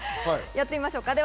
やってみましょう。